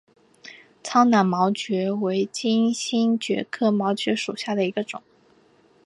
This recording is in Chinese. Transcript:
苍南毛蕨为金星蕨科毛蕨属下的一个种。